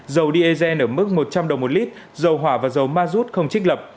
dầu diesel ở mức một trăm linh đồng một lít dầu hỏa và dầu ma rút không trích lập